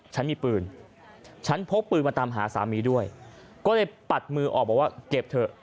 ฉันมีปืนฉันพกปืนมาตามหาสามีด้วยก็เลยปัดมือออกบอกว่าเก็บเถอะ